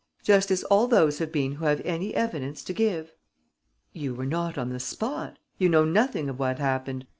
Just as all those have been who have any evidence to give." "You were not on the spot. You know nothing of what happened.